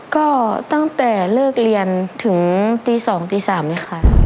ก็ตั้งแต่เลิกเรียนถึงตี๒ตี๓นี้ค่ะ